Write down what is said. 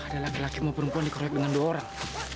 ada laki laki mau perempuan dikorek dengan dua orang